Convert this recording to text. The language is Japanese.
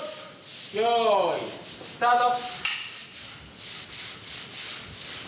よいスタート！